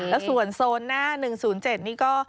แล้วส่วนโซนหน้า๑๐๗นี่ก็